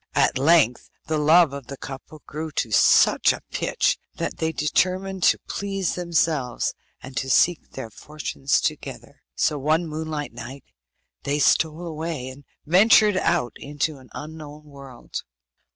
At length the love of the couple grew to such a pitch that they determined to please themselves, and to seek their fortunes together. So one moonlight night they stole away, and ventured out into an unknown world.